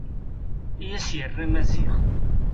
I as-yerra Maziɣ.